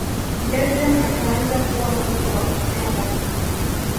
Debrune akaanza kuwa moto wa kuotea mbali